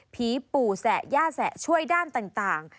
ผีปู่แสะย่าแสะช่วยด้านต่าง